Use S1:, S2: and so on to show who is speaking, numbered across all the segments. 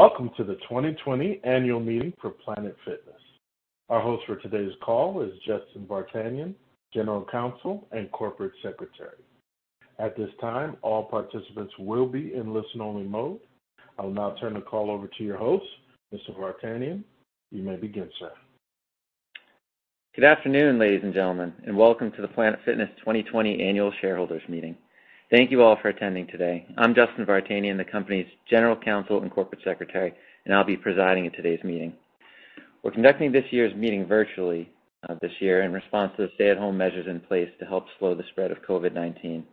S1: Welcome to the 2020 Annual Meeting for Planet Fitness. Our host for today's call is Justin Vartanian, General Counsel and Corporate Secretary. At this time, all participants will be in listen only mode. I will now turn the call over to your host, Mr. Vartanian. You may begin, sir.
S2: Good afternoon, ladies and gentlemen, welcome to the Planet Fitness 2020 Annual Shareholders Meeting. Thank you all for attending today. I'm Justin Vartanian, the company's General Counsel and Corporate Secretary, and I'll be presiding at today's meeting. We're conducting this year's meeting virtually this year in response to the stay-at-home measures in place to help slow the spread of COVID-19.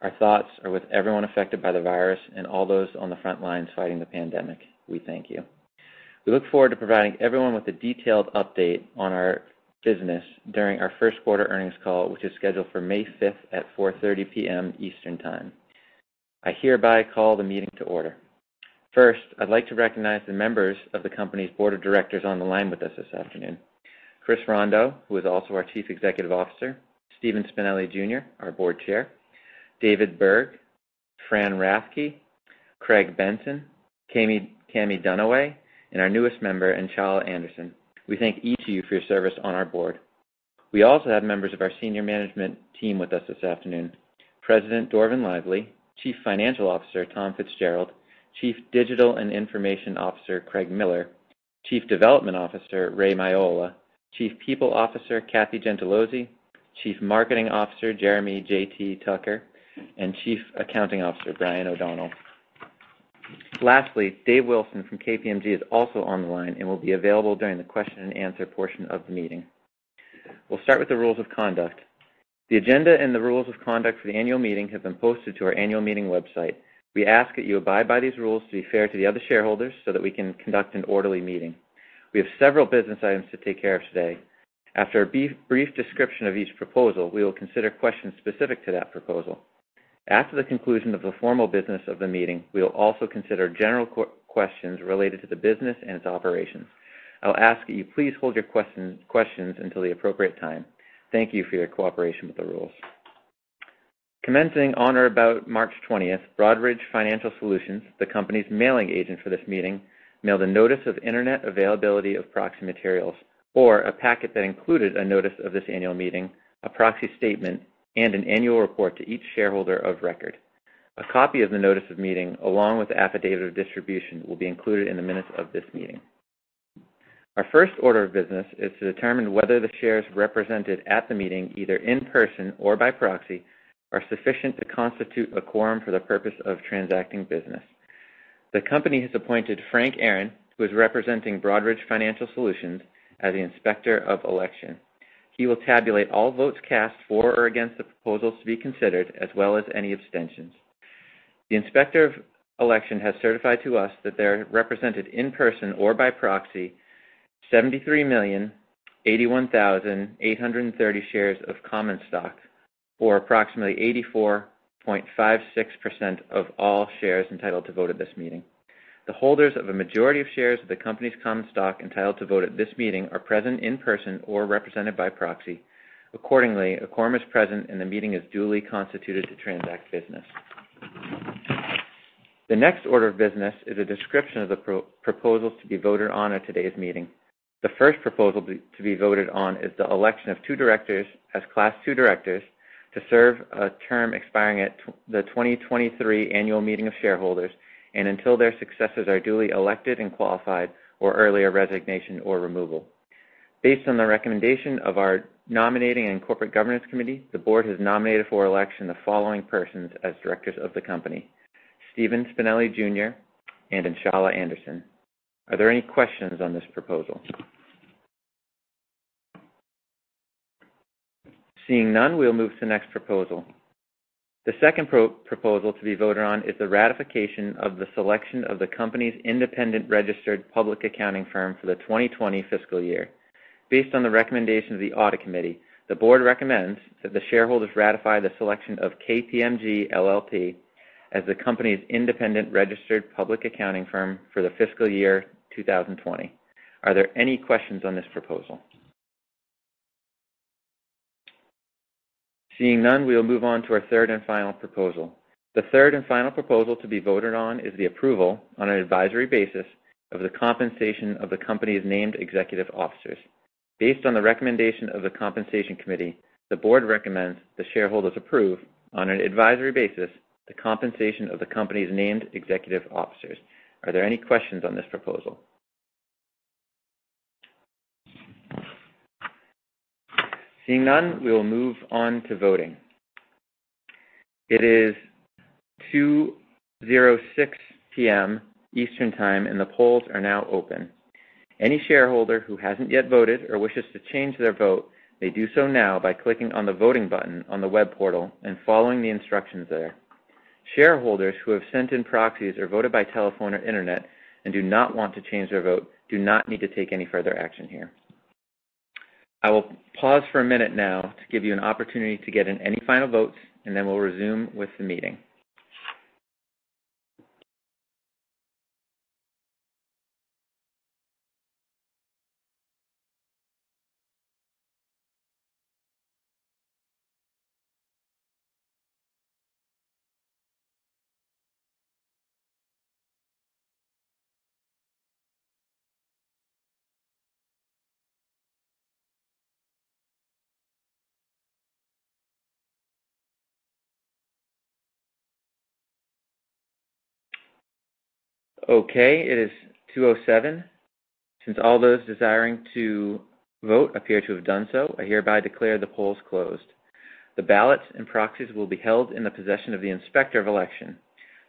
S2: Our thoughts are with everyone affected by the virus and all those on the front lines fighting the pandemic. We thank you. We look forward to providing everyone with a detailed update on our business during our first quarter earnings call, which is scheduled for May 5th at 4:30 P.M. Eastern Time. I hereby call the meeting to order. First, I'd like to recognize the members of the company's Board of Directors on the line with us this afternoon. Chris Rondeau, who is also our Chief Executive Officer, Stephen Spinelli, Jr., our Board Chair, David Berg, Fran Rathke, Craig Benson, Cami Dunaway, and our newest member, Enshalla Anderson. We thank each of you for your service on our board. We also have members of our senior management team with us this afternoon. President Dorvin Lively, Chief Financial Officer Tom Fitzgerald, Chief Digital and Information Officer Craig Miller, Chief Development Officer Ray Miolla, Chief People Officer Kathy Gentilozzi, Chief Marketing Officer Jeremy "JT" Tucker, and Chief Accounting Officer Brian O'Donnell. Lastly, Dave Wilson from KPMG is also on the line and will be available during the question and answer portion of the meeting. We'll start with the rules of conduct. The agenda and the rules of conduct for the annual meeting have been posted to our annual meeting website. We ask that you abide by these rules to be fair to the other shareholders so that we can conduct an orderly meeting. We have several business items to take care of today. After a brief description of each proposal, we will consider questions specific to that proposal. After the conclusion of the formal business of the meeting, we will also consider general questions related to the business and its operations. I'll ask that you please hold your questions until the appropriate time. Thank you for your cooperation with the rules. Commencing on or about March 20th, Broadridge Financial Solutions, the company's mailing agent for this meeting, mailed a notice of internet availability of proxy materials or a packet that included a notice of this annual meeting, a proxy statement, and an annual report to each shareholder of record. A copy of the notice of meeting, along with the affidavit of distribution, will be included in the minutes of this meeting. Our first order of business is to determine whether the shares represented at the meeting, either in person or by proxy, are sufficient to constitute a quorum for the purpose of transacting business. The company has appointed Frank Aaron, who is representing Broadridge Financial Solutions, as the Inspector of Election. He will tabulate all votes cast for or against the proposals to be considered, as well as any abstentions. The Inspector of Election has certified to us that they are represented in person or by proxy 73,081,830 shares of common stock, or approximately 84.56% of all shares entitled to vote at this meeting. The holders of a majority of shares of the company's common stock entitled to vote at this meeting are present in person or represented by proxy. Accordingly, a quorum is present, and the meeting is duly constituted to transact business. The next order of business is a description of the proposals to be voted on at today's meeting. The first proposal to be voted on is the election of two directors as Class II directors to serve a term expiring at the 2023 Annual Meeting of Stockholders and until their successors are duly elected and qualified or earlier resignation or removal. Based on the recommendation of our Nominating and Corporate Governance Committee, the board has nominated for election the following persons as directors of the company: Stephen Spinelli, Jr. and Enshalla Anderson. Are there any questions on this proposal? Seeing none, we'll move to the next proposal. The second proposal to be voted on is the ratification of the selection of the company's independent registered public accounting firm for the 2020 fiscal year. Based on the recommendation of the Audit Committee, the board recommends that the shareholders ratify the selection of KPMG LLP as the company's independent registered public accounting firm for the fiscal year 2020. Are there any questions on this proposal? Seeing none, we will move on to our third and final proposal. The third and final proposal to be voted on is the approval, on an advisory basis, of the compensation of the company's named executive officers. Based on the recommendation of the Compensation Committee, the board recommends the shareholders approve, on an advisory basis, the compensation of the company's named executive officers. Are there any questions on this proposal? Seeing none, we will move on to voting. It is 2:06 P.M. Eastern Time, and the polls are now open. Any shareholder who hasn't yet voted or wishes to change their vote, may do so now by clicking on the voting button on the web portal and following the instructions there. Shareholders who have sent in proxies or voted by telephone or internet and do not want to change their vote do not need to take any further action here. I will pause for a minute now to give you an opportunity to get in any final votes, and then we'll resume with the meeting. Okay, it is 2:07. Since all those desiring to vote appear to have done so, I hereby declare the polls closed. The ballots and proxies will be held in the possession of the Inspector of Election.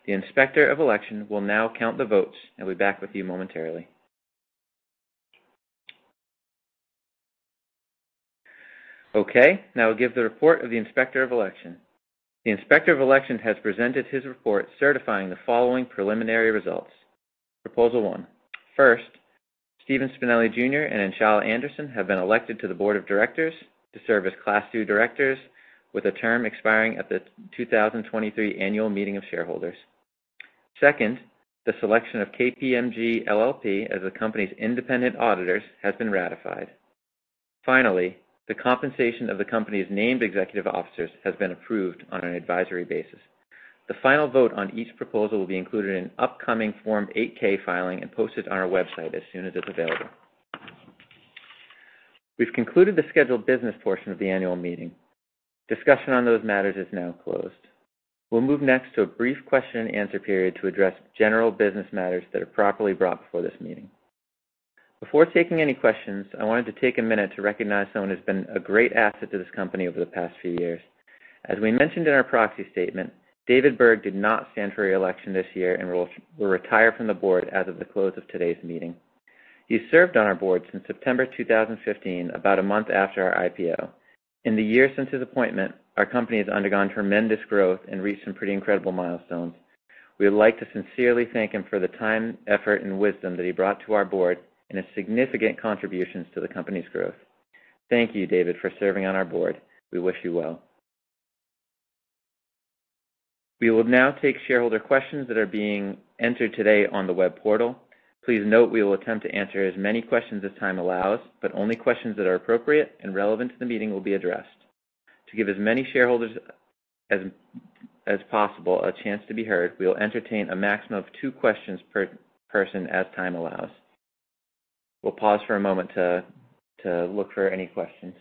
S2: The Inspector of Election will now count the votes, and be back with you momentarily. Okay, now we'll give the report of the Inspector of Election. The Inspector of Election has presented his report certifying the following preliminary results. Proposal 1. First, Stephen Spinelli, Jr. and Enshalla Anderson have been elected to the board of directors to serve as Class II directors with a term expiring at the 2023 annual meeting of shareholders. Second, the selection of KPMG LLP as the company's independent auditors has been ratified. Finally, the compensation of the company's named executive officers has been approved on an an advisory basis. The final vote on each proposal will be included in an upcoming Form 8-K filing and posted on our website as soon as it's available. We've concluded the scheduled business portion of the annual meeting. Discussion on those matters is now closed. We'll move next to a brief question and answer period to address general business matters that are properly brought before this meeting. Before taking any questions, I wanted to take a minute to recognize someone who's been a great asset to this company over the past few years. As we mentioned in our proxy statement, David Berg did not stand for reelection this year and will retire from the board as of the close of today's meeting. He served on our board since September 2015, about a month after our IPO. In the years since his appointment, our company has undergone tremendous growth and reached some pretty incredible milestones. We would like to sincerely thank him for the time, effort, and wisdom that he brought to our board and his significant contributions to the company's growth. Thank you, David, for serving on our board. We wish you well. We will now take shareholder questions that are being entered today on the web portal. Please note we will attempt to answer as many questions as time allows, but only questions that are appropriate and relevant to the meeting will be addressed. To give as many shareholders as possible a chance to be heard, we will entertain a maximum of two questions per person as time allows. We'll pause for a moment to look for any questions.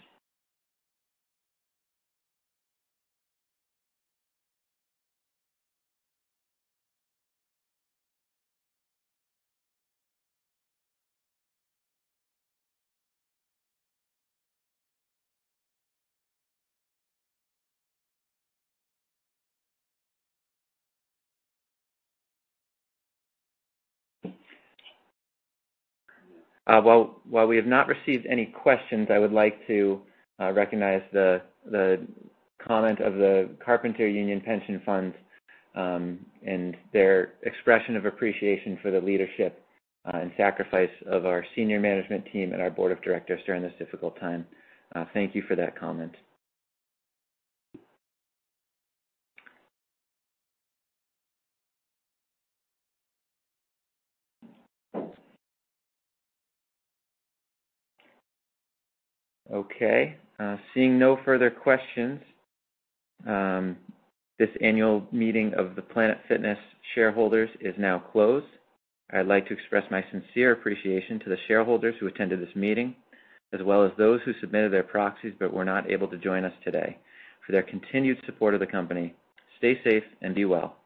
S2: While we have not received any questions, I would like to recognize the comment of the Carpenters Union Pension Fund, and their expression of appreciation for the leadership and sacrifice of our senior management team and our board of directors during this difficult time. Thank you for that comment. Okay, seeing no further questions, this annual meeting of the Planet Fitness shareholders is now closed. I'd like to express my sincere appreciation to the shareholders who attended this meeting, as well as those who submitted their proxies but were not able to join us today, for their continued support of the company. Stay safe and be well. Thank you.